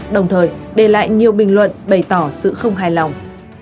đồng thời đề lại nhiều bình luận bày tỏ sự không hài lòng